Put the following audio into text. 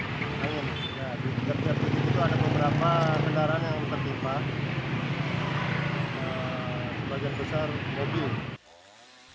di tiga titik itu ada beberapa kendaraan yang tertimpa sebagian besar mobil